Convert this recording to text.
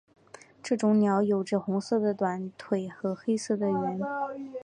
这种鸟有着红色的短腿和黑色的喙。